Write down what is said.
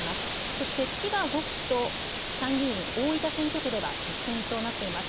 そして千葉５区と参議院大分選挙区では接戦となっています。